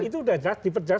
itu udah jelas diperjelas